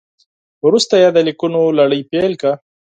وروسته یې د لیکونو لړۍ پیل کړه.